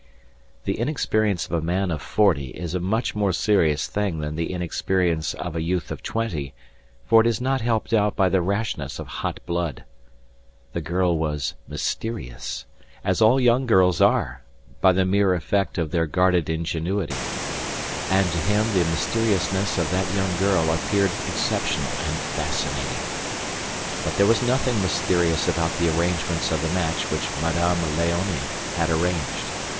The inexperience of a man of forty is a much more serious thing than the inexperience of a youth of twenty, for it is not helped out by the rashness of hot blood. The girl was mysterious, as all young girls are, by the mere effect of their guarded ingenuity; and to him the mysteriousness of that young girl appeared exceptional and fascinating. But there was nothing mysterious about the arrangements of the match which Madame Léonie had arranged.